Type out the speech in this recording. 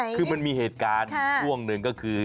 คือมันมีเหตุการณ์ช่วงหนึ่งก็คือ